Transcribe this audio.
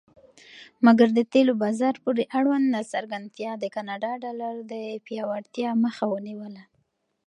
مګر د تیلو بازار پورې اړوند ناڅرګندتیا د کاناډا ډالر د پیاوړتیا مخه ونیوله.